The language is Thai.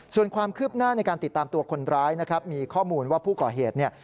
ส่วนความคืบหน้าในการติดตามตัวคนร้ายนะครับมีข้อมูลว่าผู้ก่อเหตุเนี่ย